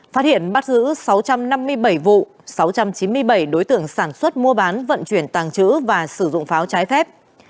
phát hiện bắt giữ sáu trăm năm mươi bảy vụ sáu trăm chín mươi bảy đối tượng sản xuất mua bán vận chuyển tàng trữ và sử dụng pháo trái phép